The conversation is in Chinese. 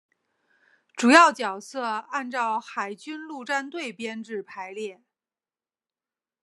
主要角色按照海军陆战队编制排列。